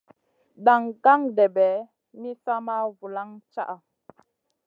Daŋ gan-ɗèɓè mi sa ma vulaŋ caʼa.